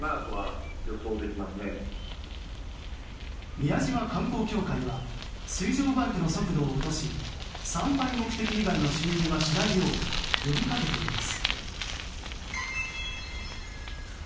宮島観光協会は水上バイクの速度を落とし参拝目的以外の進入はしないよう呼びかけています。